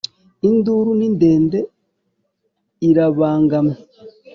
Induru ni ndende irabangamye